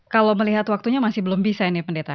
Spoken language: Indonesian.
kalau melihat waktunya masih belum bisa ini pendeta